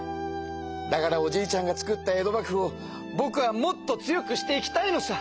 だからおじいちゃんがつくった江戸幕府をぼくはもっと強くしていきたいのさ！